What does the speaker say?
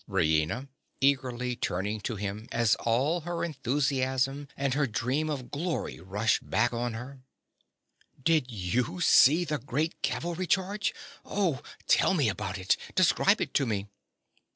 RAINA. (eagerly turning to him, as all her enthusiasm and her dream of glory rush back on her). Did you see the great cavalry charge? Oh, tell me about it. Describe it to me.